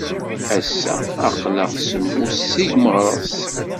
Ass-a aql-aɣ semmus seg Meɣres.